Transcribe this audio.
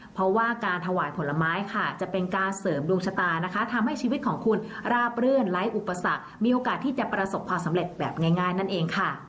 เพราะว่าการถวายผลไม้ค่ะจะเป็นการเสริมดวงชะตานะคะทำให้ชีวิตของคุณราบรื่นไร้อุปสรรคมีโอกาสที่จะประสบความสำเร็จแบบง่ายนั่นเองค่ะ